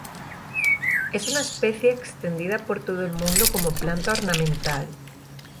Es una especie extendida por todo el mundo como planta ornamental.